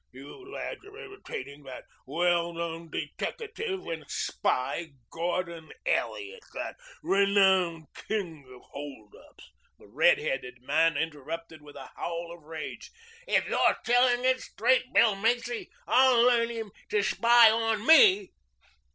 You lads are entertaining that well known deteckative and spy Gordon Elliot, that renowned king of hold ups " The red headed man interrupted with a howl of rage. "If you're telling it straight, Bill Macy, I'll learn him to spy on me."